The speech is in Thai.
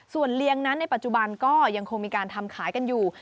ส่วนเลี้ยงนั้นในปัจจุบันก็ยังคงมีการทำขายกันอยู่